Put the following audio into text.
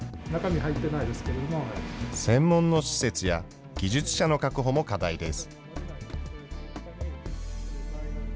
専門の施設や技術者の確保も課題です。